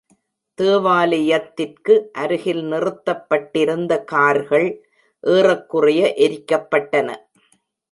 தேவாலயத்திற்கு அருகில் நிறுத்தப்பட்டிருந்த கார்கள் ஏறக்குறைய எரிக்கப்பட்டன.